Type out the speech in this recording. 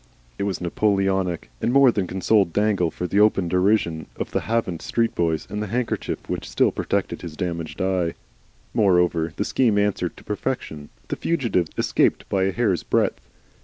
It was Napoleonic, and more than consoled Dangle for the open derision of the Havant street boys at the handkerchief which still protected his damaged eye. Moreover, the scheme answered to perfection. The fugitives escaped by a hair's breadth.